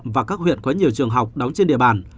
và các huyện có nhiều trường học đóng trên địa bàn